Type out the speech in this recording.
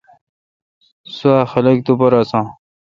سوا خلق تو پر ہسان۔